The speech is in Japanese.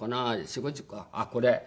あっこれ。